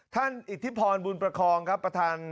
ท่านอิทธิพรบุญประคบครับประทาน